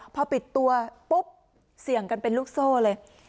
พอปิดตัวปุ๊บเสี่ยงกันเป็นลูกโซ่เลย